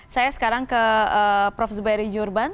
saya sekarang ke prof zubairi jurban